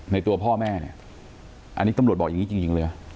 ตัวพ่อแม่เนี่ยอันนี้ตำรวจบอกอย่างนี้จริงเลย